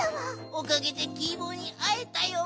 おかげでキー坊にあえたよ！